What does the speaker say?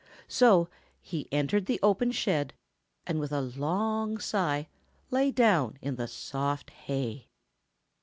So he entered the open shed and with a long sigh lay down in the soft hay.